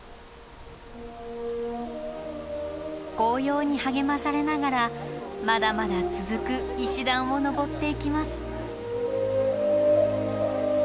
紅葉に励まされながらまだまだ続く石段を上っていきます。